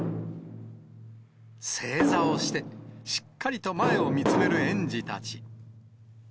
正座をして、しっかりと前を見つめる園児たち。